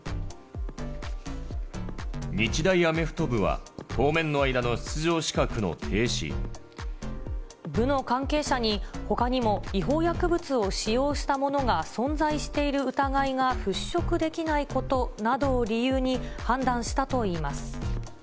日大アメフト部は当面の間の部の関係者に、ほかにも違法薬物を使用した者が存在している疑いが払拭できないことなどを理由に、判断したといいます。